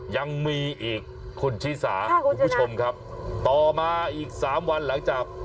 ยังมีอีกคุณชิสาคุณผู้ชมครับต่อมาอีกสามวันหลังจาก